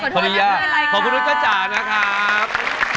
ขออนุญาตขอบคุณนุษจ้าจ๋านะครับ